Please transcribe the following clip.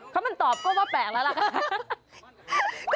ถ้ามันตอบก็ว่าแปลกแล้วล่ะค่ะ